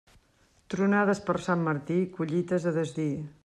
Tronades per Sant Martí, collites a desdir.